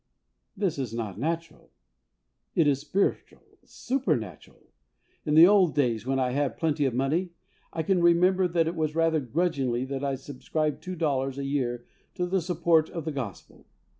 This is not natural. It is spiritual — supernatural. In the old days when I had plenty of money, I can remember that it was rather grudgingly that I subscribed two dollars a year to the support of the Gospel